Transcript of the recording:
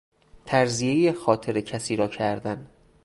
ترضیه خاطر کسی را کردن